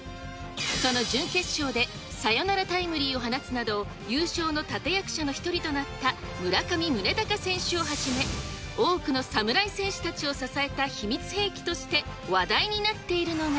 その準決勝で、サヨナラタイムリーを放つなど、優勝の立て役者の一人となった村上宗隆選手をはじめ、多くの侍戦士たちを支えた秘密兵器として話題になっているのが、